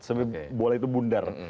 sampai bola itu bundar